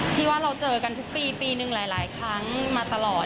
ที่ว่าเราเจอกันทุกปีปีนึงหลายครั้งมาตลอด